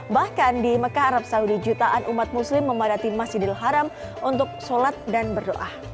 bahkan di mekah arab saudi jutaan umat muslim memadati masjidil haram untuk sholat dan berdoa